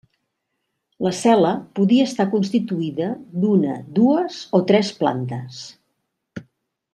La cel·la podia estar constituïda d'una, dues o tres plantes.